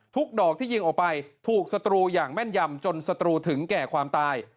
ดอกที่ยิงออกไปถูกศัตรูอย่างแม่นยำจนสตรูถึงแก่ความตาย